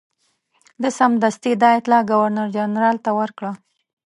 ده سمدستي دا اطلاع ګورنرجنرال ته ورکړه.